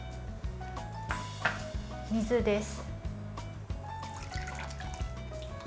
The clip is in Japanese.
水です。